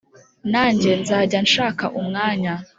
nanjye nzajya nshaka umwanya